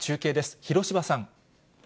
広芝さん。